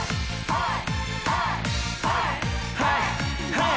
・・はい！